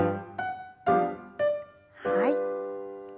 はい。